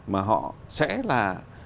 mà họ sẽ là